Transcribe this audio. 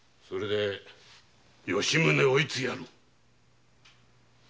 それで吉宗をいつ殺る？